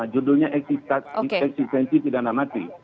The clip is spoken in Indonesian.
judulnya eksistensi pidana mati